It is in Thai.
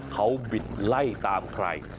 เขาบิดไล่ตามใคร